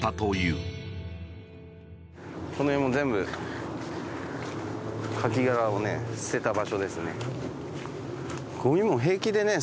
この辺も全部カキ殻をね捨てた場所ですね。